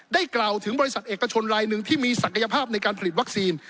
กล่าวถึงบริษัทเอกชนลายหนึ่งที่มีศักยภาพในการผลิตวัคซีน